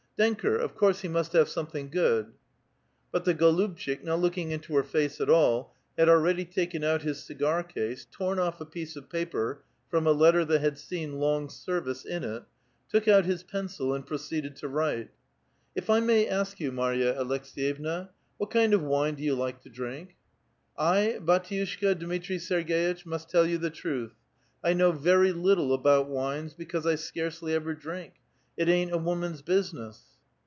Denker — of course he must have something good." But the goluhtchik^ not looking into her face at all, had already tiiken out his cigar case, torn off a piece of paper from a letter that had seen long service in it, took out his pencil, and proceeded to write :—" If 1 may ask you, Marya Aleks^yevna, what kind of wine do vou like to drink?" '' I, bdtiushka Dmitri 8erg6itch, must tell you the truth: I know very little about wines, because I scarcely ever drink ; it ain*t a woman's business."